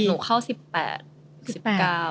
หนูเข้า๑๘๑๙